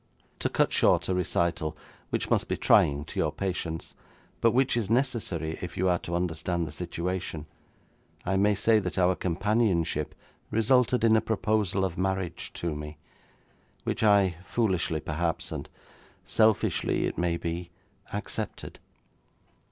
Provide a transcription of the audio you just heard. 'To cut short a recital which must be trying to your patience, but which is necessary if you are to understand the situation, I may say that our companionship resulted in a proposal of marriage to me, which I, foolishly, perhaps, and selfishly, it may be, accepted.